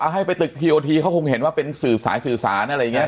ให้ไปตึกทีโอทีเขาคงเห็นว่าเป็นสื่อสายสื่อสารอะไรอย่างนี้